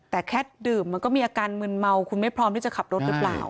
แต่แค่ดื่มมันก็มีอาการมึนเมาคุณไม่พร้อมที่จะขับรถหรือเปล่า